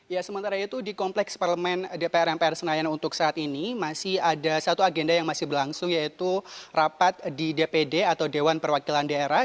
ya sementara itu di kompleks parlemen dpr mpr senayan untuk saat ini masih ada satu agenda yang masih berlangsung yaitu rapat di dpd atau dewan perwakilan daerah